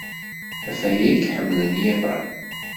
Ɣef waya ay k-ḥemmlen yiḍan.